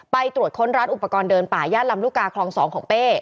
ไปตรวจค้นร้านอุปกรณ์เดินป่าย่านลำลูกกาคลอง๒ของเป้